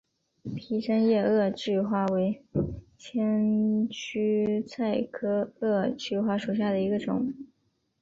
披针叶萼距花为千屈菜科萼距花属下的一个种。